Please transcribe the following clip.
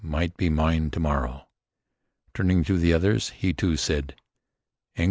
Might be mine to morrow." Turning to the others, he too said: "Engländer?"